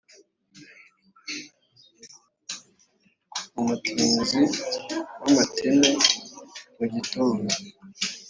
Umutinzi w'amateme mu gitondo,